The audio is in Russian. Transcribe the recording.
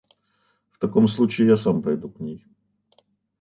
В таком случае я сам пойду к ней.